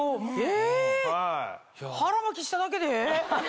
え腹巻きしただけで？